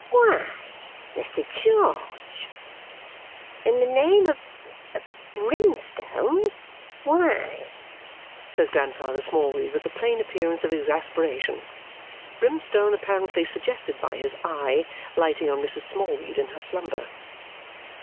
"Why, Mr. George? In the name of of brimstone, why?" says Grandfather Smallweed with a plain appearance of exasperation. (Brimstone apparently suggested by his eye lighting on Mrs. Smallweed in her slumber.)